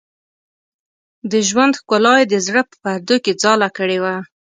د ژوند ښکلا یې د زړه په پردو کې ځاله کړې وه.